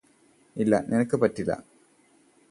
ഇല്ല നിനക്ക് പറ്റില്ല